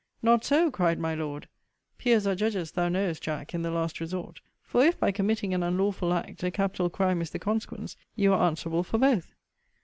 Not so, cried my Lord, [Peers are judges, thou knowest, Jack, in the last resort:] for if, by committing an unlawful act, a capital crime is the consequence, you are answerable for both.